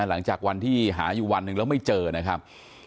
หลังจากวันที่หาอยู่วันหนึ่งแล้วไม่เจอนะครับ